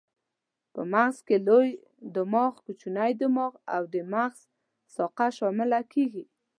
په مغز کې لوی دماغ، کوچنی دماغ او د مغز ساقه شامله کېږي.